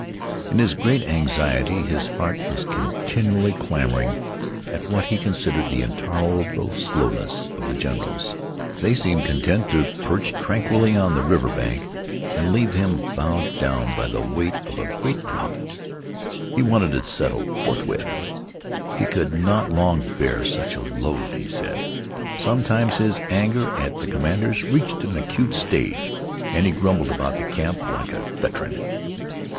In his great anxiety his heart was continually clamoring at what he considered the intolerable slowness of the generals. They seemed content to perch tranquilly on the river bank, and leave him bowed down by the weight of a great problem. He wanted it settled forthwith. He could not long bear such a load, he said. Sometimes his anger at the commanders reached an acute stage, and he grumbled about the camp like a veteran.